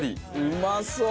うまそう！